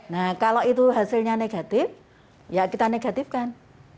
nah kalau itu hasilnya negatif ya kita negatifkan